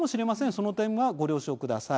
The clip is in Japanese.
その点は、ご了承ください。